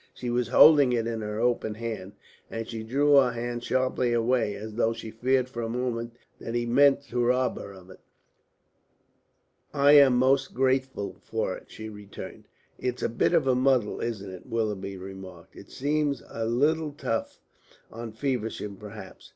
She was holding it in her open hand, and she drew her hand sharply away, as though she feared for a moment that he meant to rob her of it. "I am most grateful for it," she returned. "It's a bit of a muddle, isn't it?" Willoughby remarked. "It seems a little rough on Feversham perhaps.